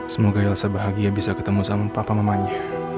semoga elsa bahagia bisa ketemu sama papa mamanya